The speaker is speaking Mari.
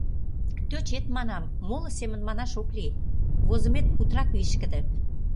«Тӧчет» манам, моло семын манаш ок лий: возымет путырак вишкыде.